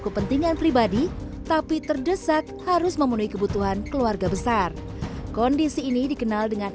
kepentingan pribadi tapi terdesak harus memenuhi kebutuhan keluarga besar kondisi ini dikenal dengan